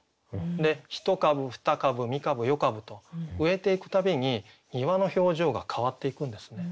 で一株二株三株四株と植えていく度に庭の表情が変わっていくんですね。